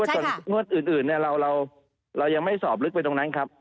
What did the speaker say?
ส่วนงวดอื่นเรายังไม่สอบลึกไปตรงนั้นครับ